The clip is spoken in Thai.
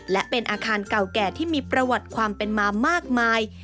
และเป็นอาคารเก่าแก่ที่มีประวัติความเป็นมามากมาย